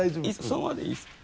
そのままでいいですか？